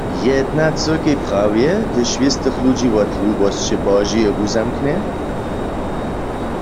Jedna cyrkej prawje, hdyž wěstych ludźi wot lubosće Božeje wuzamknje?